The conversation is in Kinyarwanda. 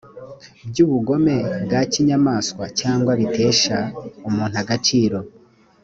by ubugome bya kinyamaswa cyangwa bitesha umuntu agaciro